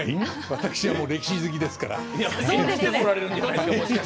私は歴史好きですから。